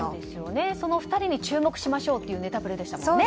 その２人に注目しましょうというネタプレでしたよね。